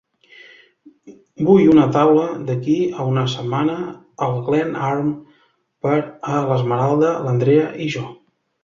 Vull una taula d'aquí a una setmana al Glen Arm per a l'Esmeralda, l'Andrea i jo.